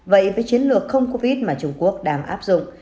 vậy với chiến lược không covid mà trung quốc đang áp dụng